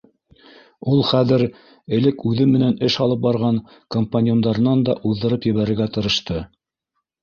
Ул хәҙер элек үҙе менән эш алып барған компаньондарынан да уҙҙырып ебәрергә тырышты.